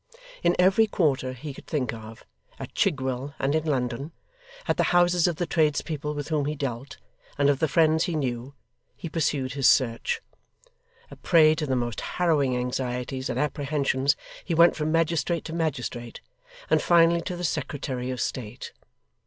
In every quarter he could think of; at Chigwell and in London; at the houses of the tradespeople with whom he dealt, and of the friends he knew; he pursued his search. A prey to the most harrowing anxieties and apprehensions, he went from magistrate to magistrate, and finally to the Secretary of State.